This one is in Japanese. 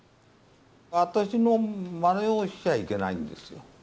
あたしのまねをしちゃいけないんですよ。